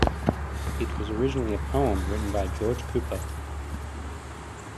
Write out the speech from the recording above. It was originally a poem written by George Cooper.